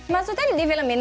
maksudnya di film ini